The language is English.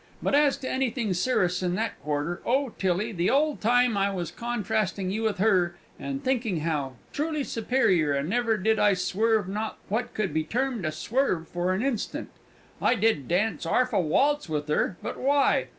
But as to anything serous in that quarter, oh Tilly the ole time I was contrasting you with her and thinking how truly superior, and never did I swerve not what could be termed a swerve for a instant. I did dance arf a walz with her but why?